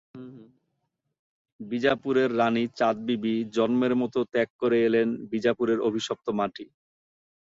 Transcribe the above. বিজাপুরের রানী চাঁদবিবি জন্মের মতো ত্যাগ করে এলেন বিজাপুরের অভিশপ্ত মাটি।